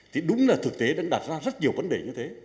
thì đúng là thực tế đang đặt ra rất nhiều vấn đề như thế